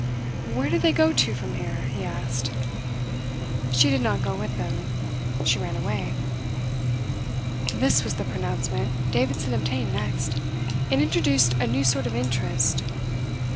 "Where did they go to from here?" he asked. "She did not go with them. She ran away." This was the pronouncement Davidson obtained next. It introduced a new sort of interest.